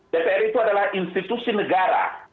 dpr itu adalah institusi negara